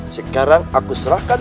sekarang aku serahkan